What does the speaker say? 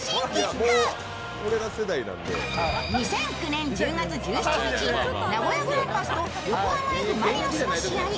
２００９年１０月１７日名古屋グランパスと横浜Ｆ・マリノスとの試合。